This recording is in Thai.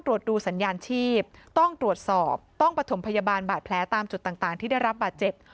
ต้องตรวจสอบต้องปฐมพยาบาลบาดแพ้ตามจุดต่างที่ได้รับบาดเจ็บ